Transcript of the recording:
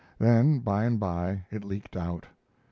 Then, by and by, it leaked out.